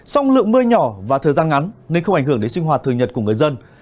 song lượng mưa nhỏ và thời gian ngắn nên không ảnh hưởng đến sinh hoạt thường nhật của người dân